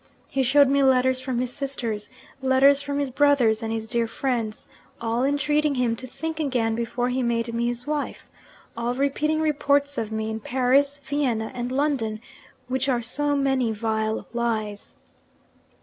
He showed me letters from his sisters, letters from his brothers, and his dear friends all entreating him to think again before he made me his wife; all repeating reports of me in Paris, Vienna, and London, which are so many vile lies.